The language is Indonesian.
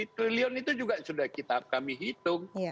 enam delapan ratus triliun itu juga sudah kita kami hitung